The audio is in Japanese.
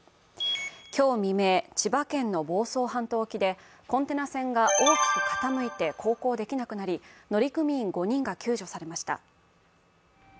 今日未明、千葉県の房総半島沖でコンテナ船が大きく傾いて航行できなくなり、乗組員５人が救助されました。